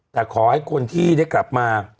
แต่ขอให้คนที่ได้กลับมา